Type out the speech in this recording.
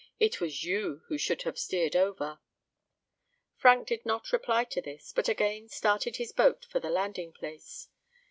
"It was you who should have steered over." Frank did not reply to this, but again started his boat for the landing place.